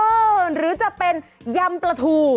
หรือจะเป็นยำปลาทู